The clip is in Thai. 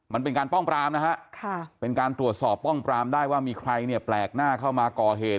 มันเป็นการป้องปรามนะฮะเป็นการตรวจสอบป้องปรามได้ว่ามีใครเนี่ยแปลกหน้าเข้ามาก่อเหตุ